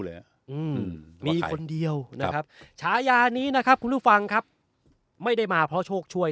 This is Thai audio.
อืมมีคนเดียวนะครับฉายานี้นะครับคุณผู้ฟังครับไม่ได้มาเพราะโชคช่วย